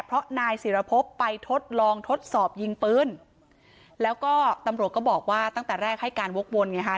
เพราะนายศิรพบไปทดลองทดสอบยิงปืนแล้วก็ตำรวจก็บอกว่าตั้งแต่แรกให้การวกวนไงฮะ